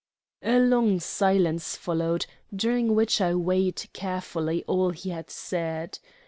A long silence followed, during which I weighed carefully all he had said.